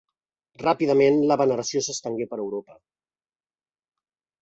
Ràpidament, la veneració s'estengué per Europa.